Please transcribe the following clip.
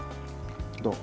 どう？